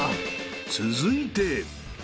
［続いて］